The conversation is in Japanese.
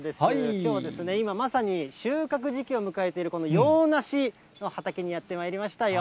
きょうはですね、今まさに収穫時期を迎えている、この洋梨の畑にやってまいりましたよ。